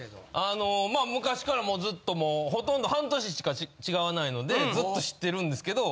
あのまあ昔からずっともうほとんど半年しか違わないのでずっと知ってるんですけど。